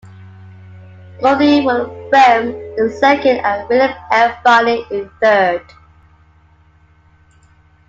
Gouthey, with Brehm in second, and William F. Varney in third.